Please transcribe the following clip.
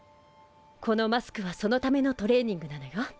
このマスクはそのためのトレーニングなのよ。